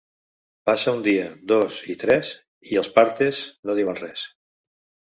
Passa un dia, dos i tres i els "partes" no diuen res.